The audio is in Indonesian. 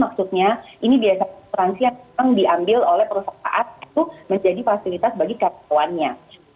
maksudnya ini biasanya asuransi yang memang diambil oleh perusahaan itu menjadi fasilitas bagi karyawannya